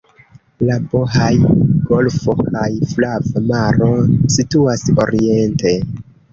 La Bohaj-golfo kaj Flava Maro situas oriente.